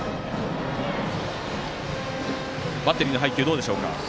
バッテリーの配球はどうでしょうか。